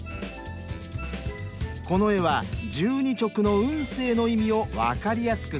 この絵は「十二直」の運勢の意味を分かりやすく伝える絵。